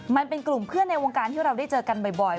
มันเป็นกลุ่มเพื่อนในวงการที่เราได้เจอกันบ่อย